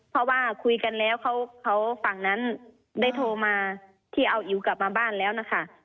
เพราะว่าคุยกันแล้วเขาฝั่งนั้นได้โทรมาที่เอาอิ๋วกลับมาบ้านแล้วนะคะ